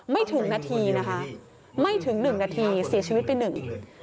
ไม่ถึงนาทีนะคะไม่ถึงหนึ่งนาทีเสียชีวิตไปหนึ่ง